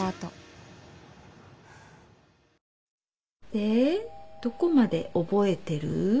でどこまで覚えてる？